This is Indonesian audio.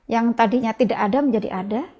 yang tadinya tidak ada menjadi ada